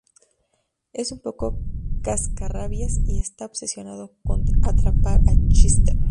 Es un poco cascarrabias y está obsesionado con atrapar a Chester.